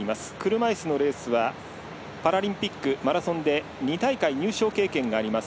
車いすのレースはパラリンピックマラソンで２大会入賞経験があります